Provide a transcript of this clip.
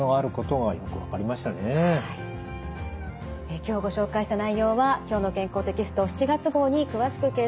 今日ご紹介した内容は「きょうの健康」テキスト７月号に詳しく掲載されています。